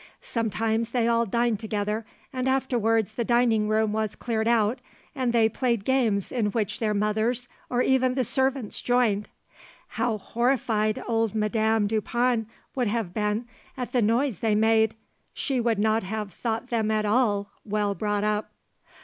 Sometimes they all dined together and afterwards the dining room was cleared out, and they played games in which their mothers or even the servants joined. How horrified old Madame Dupin would have been at the noise they made! She would not have thought them at all 'well brought up.'